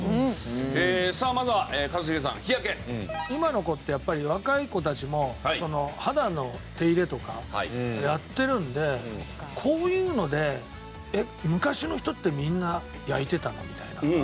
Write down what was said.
今の子ってやっぱり若い子たちも肌の手入れとかやってるんでこういうのでえっ昔の人ってみんな焼いてたの？みたいな。